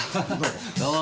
どうも。